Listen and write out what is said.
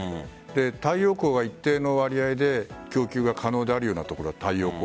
太陽光は一定の割合で供給が可能であるような所は太陽光。